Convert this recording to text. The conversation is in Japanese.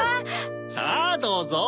さあどうぞ。